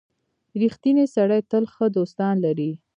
• رښتینی سړی تل ښه دوستان لري.